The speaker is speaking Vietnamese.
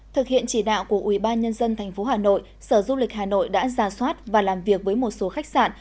thực hiện chỉ đạo của ubnd tp hà nội sở du lịch hà nội đã ra soát và làm việc với một số khách sạn